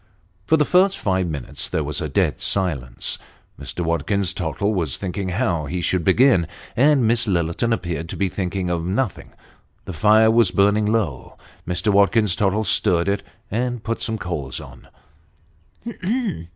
For the first five minutes there was a dead silence. Mr. Watkins Tottle was thinking how he should begin, and Miss Lillerton appeared to be thinking of nothing. The fire was burning low ; Mr. Watkins Tottle stirred it, and put some coals on.